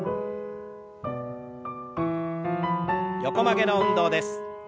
横曲げの運動です。